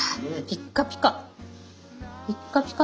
ピッカピカだよ